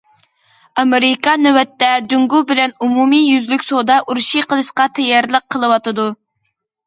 ئامېرىكا نۆۋەتتە جۇڭگو بىلەن ئومۇمى يۈزلۈك سودا ئۇرۇشى قىلىشقا تەييارلىق قىلىۋاتىدۇ.